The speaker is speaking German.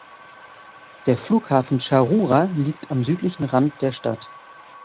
Der Flughafen Scharura liegt am südlichen Rand der Stadt.